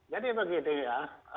jadi begini ya